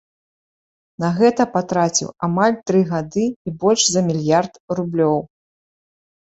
На гэта патраціў амаль тры гады і больш за мільярд рублёў.